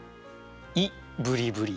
「いブリブリ」。